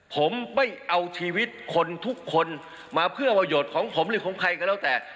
ผมไม่เอาชีวิตคนทุกคนมาเพื่อประโยชน์ของผมหรือของใครก็แล้วแต่